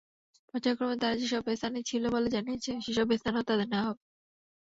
পর্যায়ক্রমে তাঁরা যেসব স্থানে ছিলেন বলে জানিয়েছেন, সেসব স্থানেও তাঁদের নেওয়া হবে।